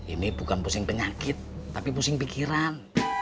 ini bukan pusing penyakit tapi pusing pikiran